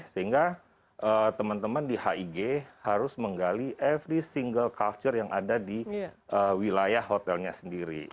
sehingga teman teman di hig harus menggali every single culture yang ada di wilayah hotelnya sendiri